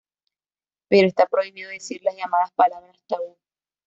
Pero está prohibido decir las llamadas palabras tabú.